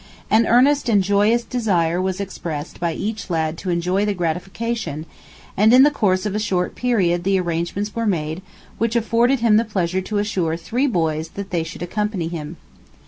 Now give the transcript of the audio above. An earnest and joyous desire was expressed by each lad to enjoy the gratification, and in the course of a short period the arrangements were made which afforded him the pleasure to assure three boys that they should accompany him.